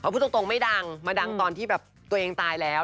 พูดตรงไม่ดังมาดังตอนที่แบบตัวเองตายแล้ว